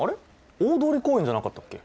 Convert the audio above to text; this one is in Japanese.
大通り公園じゃなかったっけ？